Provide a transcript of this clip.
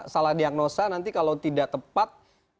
salah diagnosa nanti kalau tidak tepat